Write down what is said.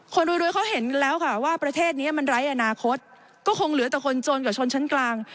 คนรวยเขาเห็นแล้วค่ะว่าประเทศนี้มันไร้อนาคตก็คงเหลือแต่คนจนกับชนชั้นกลาง